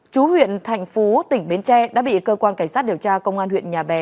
chú huyện thành phú tỉnh bến tre đã bị cơ quan cảnh sát điều tra công an huyện nhà bè